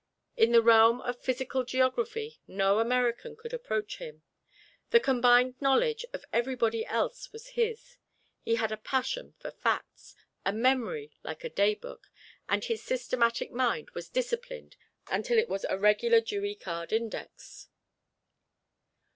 In the realm of Physical Geography no American could approach him. The combined knowledge of everybody else was his: he had a passion for facts, a memory like a daybook, and his systematic mind was disciplined until it was a regular Dewey card index.